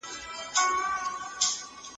دفاع وزارت سوداګریزه هوکړه نه لغوه کوي.